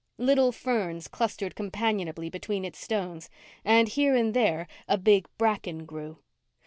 Little ferns clustered companionably between its stones, and here and there a big bracken grew.